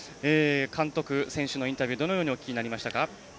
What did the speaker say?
監督、選手のインタビューどのようにお聞きになりましたか？